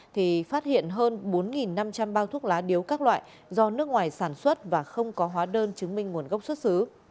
thì phát hiện hơn bốn năm trăm linh bao thuốc lá điếu các loại do nước ngoài sản xuất và không có hóa đơn chứng minh nguồn gốc xuất xứ